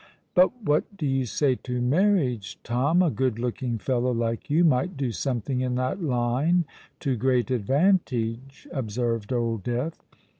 "But what do you say to marriage, Tom? A good looking fellow like you might do something in that line to great advantage," observed Old Death.